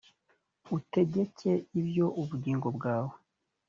utegeke ibyo ubugingo bwawe